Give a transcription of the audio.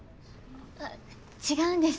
あ違うんです。